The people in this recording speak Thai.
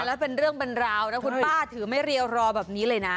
แล้วเป็นเรื่องเป็นราวนะคุณป้าถือไม่เรียวรอแบบนี้เลยนะ